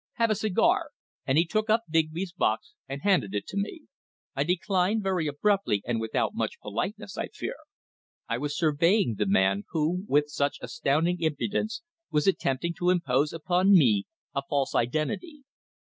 Have a cigar," and he took up Digby's box and handed it to me. I declined very abruptly, and without much politeness, I fear. I was surveying the man who, with such astounding impudence, was attempting to impose upon me a false identity.